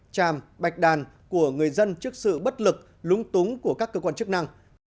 tràm bạch đàn của người dân trước sự bất lực lúng túng của các cơ quan chức năng